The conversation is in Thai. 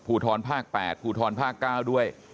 ภูทรภาค๘ภูทรภาค๙ด้วย